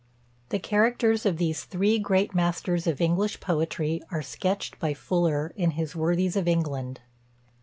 The characters of these three great masters of English poetry are sketched by Fuller, in his "Worthies of England."